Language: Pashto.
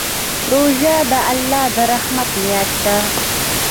روژه د الله د رحمت میاشت ده.